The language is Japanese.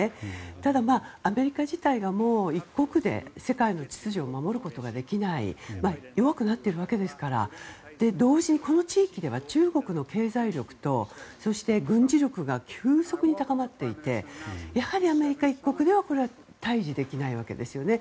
ただ、アメリカ自体がもう一国で世界の秩序を守ることができない弱くなっているわけですから同時に、この地域では中国の経済力とそして、軍事力が急速に高まっていてやはり、アメリカ一国では対峙できないわけですよね。